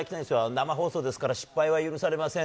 生放送だから失敗は許されません。